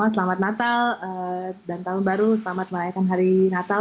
selamat natal dan tahun baru selamat merayakan hari natal